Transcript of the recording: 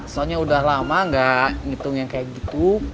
soalnya udah lama gak ngitung yang kayak gitu